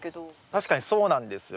確かにそうなんですよ。